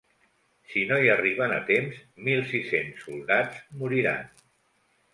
Si no hi arriben a temps, mil sis-cents soldats moriran.